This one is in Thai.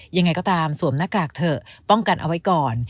ยังไงก็ตามสวมหน้ากากเถอะป้องกันเอาไว้ก่อน